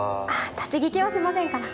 立ち聞きはしませんから。